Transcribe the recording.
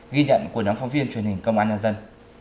ghi nhận của năm phóng viên truyền hình công an nhà dân